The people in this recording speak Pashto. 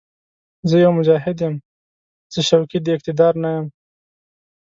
زه يو «مجاهد» یم، زه شوقي د اقتدار نه یم